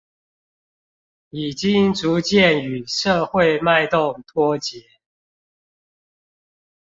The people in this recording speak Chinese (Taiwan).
已經逐漸與社會脈動脫節